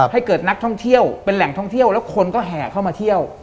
ให้เกิดนักท่องเที่ยวเป็นแหล่งท่องเที่ยวแล้วคนก็แห่เข้ามาเที่ยว